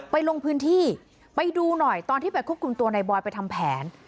ลงพื้นที่ไปดูหน่อยตอนที่ไปควบคุมตัวในบอยไปทำแผน